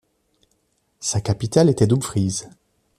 Sa capitale était Dumfries.